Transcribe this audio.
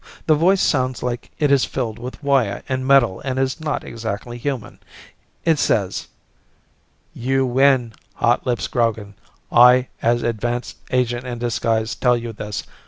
The voice sounds like it is filled with wire and metal and is not exactly human. It says: "_You win, Hotlips Grogan. I, as advance agent in disguise, tell you this.